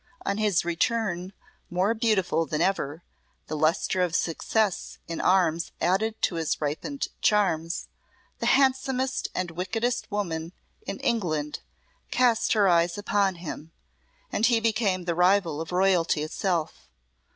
On his return, more beautiful than ever, the lustre of success in arms added to his ripened charms, the handsomest and wickedest woman in England cast her eyes upon him, and he became the rival of royalty itself.